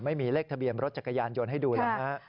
ไม่มีเลขทะเบียนรถจักรยานยนต์ให้ดูแล้วฮะ